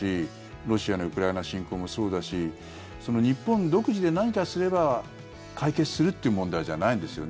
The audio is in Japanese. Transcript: ロシアのウクライナ侵攻もそうだし日本独自で何かすれば解決するっていう問題じゃないんですよね。